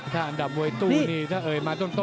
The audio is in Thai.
ถ้าอันดับมวยตู้นี่ถ้าเอ่ยมาต้น